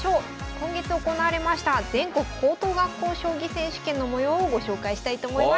今月行われました全国高等学校将棋選手権の模様をご紹介したいと思います。